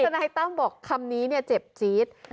นายตั้มบอกคำนี้เนี่ยเจ็บจี๊ด